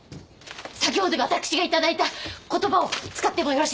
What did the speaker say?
先ほど私が頂いた言葉を使ってもよろしいでしょうか？